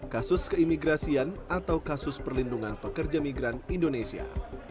kasus keimigrasian atau kasus perlindungan pekerja migran indonesia